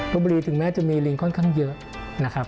บุรีถึงแม้จะมีลิงค่อนข้างเยอะนะครับ